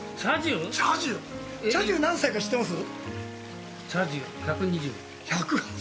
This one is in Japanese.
茶寿、何歳か知ってます？